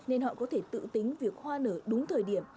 nên họ có thể tự tính việc hoa nở đúng thời điểm